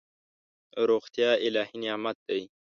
روغتیا الهي نعمت دی.